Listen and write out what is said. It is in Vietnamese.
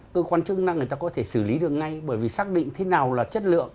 cơ quan chức năng người ta có thể xử lý được ngay bởi vì xác định thế nào là chất lượng